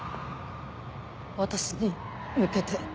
私に向けて。